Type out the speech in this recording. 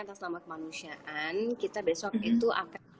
atas nama kemanusiaan kita besok itu akan